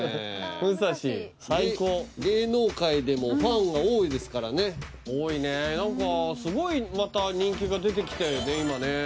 むさし最高芸能界でもファンは多いですからね多いね何かすごいまた人気が出てきたよね